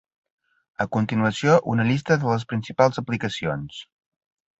A continuació una llista de les principals aplicacions.